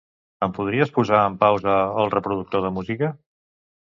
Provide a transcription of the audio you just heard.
Em podries posar en pausa el reproductor de música?